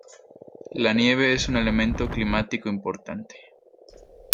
La nieve es un elemento climático importante.